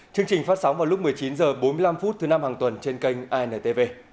chương trình phát sóng vào lúc một mươi chín h bốn mươi năm thứ năm hàng tuần trên kênh intv